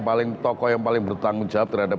paling bertanggung jawab terhadap